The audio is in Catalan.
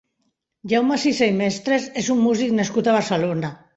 Jaume Sisa i Mestres és un músic nascut a Barcelona.